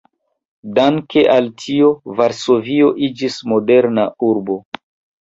Danke al tio Varsovio iĝis moderna urbo.